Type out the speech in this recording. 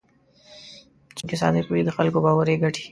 څوک چې صادق وي، د خلکو باور یې ګټي.